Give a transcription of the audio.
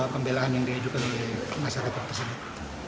pembelahan yang diajukan oleh masyarakat tersebut